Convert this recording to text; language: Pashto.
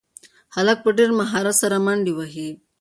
هلک په ډېر مهارت سره منډې وهي.